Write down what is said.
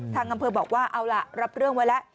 ทางอำเภอบอกว่าเอาล่ะรับเรื่องไว้แล้ว